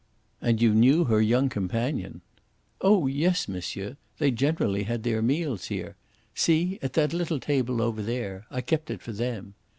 "And you knew her young companion?" "Oh yes, monsieur. They generally had their meals here. See, at that little table over there! I kept it for them.